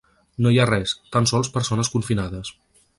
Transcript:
No hi ha res, tan sols persones confinades.